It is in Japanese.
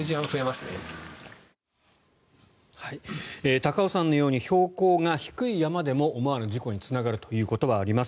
高尾山のように標高が低い山でも思わぬ事故につながるということはあります。